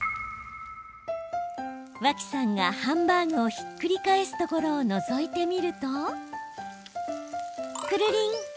脇さんがハンバーグをひっくり返すところをのぞいてみるとくるりん。